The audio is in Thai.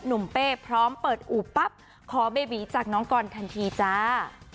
นุ่มเป้พร้อมเปิดอูบปั๊บขอเบบีจะขอเบบีจากคอนทันทีจ้า